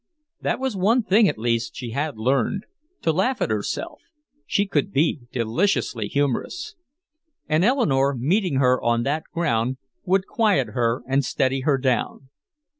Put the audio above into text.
That was one thing at least she had learned to laugh at herself she could be deliciously humorous. And Eleanore, meeting her on that ground, would quiet her and steady her down.